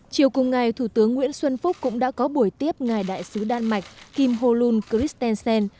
chiều cùng ngày thủ tướng nguyễn xuân phúc cũng đã có buổi tiếp ngài đại sứ đan mạch kim holon christensen